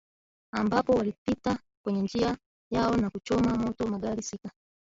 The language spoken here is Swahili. ambapo walipita kwenye njia yao na kuchoma moto magari sita